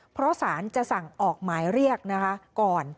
เพราะสารจะสั่งออกหมายเรียกนะคะก่อน